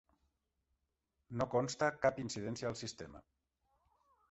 No consta cap incidència al sistema.